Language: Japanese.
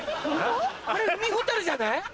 あれ海ほたるじゃない？